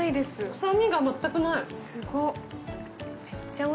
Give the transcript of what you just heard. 臭みが全くない。